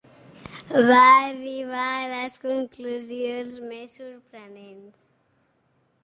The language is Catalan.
Va arribar a les conclusions més sorprenents